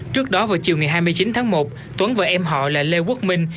trước đó vào chiều ngày hai mươi chín tháng một tuấn và em họ là lê quốc minh